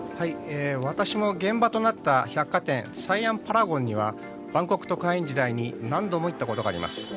私も現場となった百貨店サイアム・パラゴンにはバンコク特派員時代に何度も行ったことがあります。